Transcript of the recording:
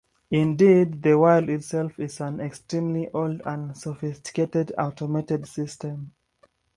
Indeed, the world itself is an extremely old and sophisticated automated system.